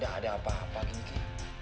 tidak ada apa apa ginky